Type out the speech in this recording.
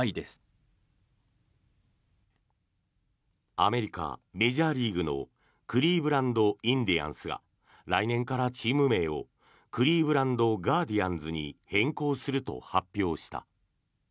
アメリカ、メジャーリーグのクリーブランド・インディアンスが来年からチーム名をクリーブランド・ガーディアンズに変更すると発表した。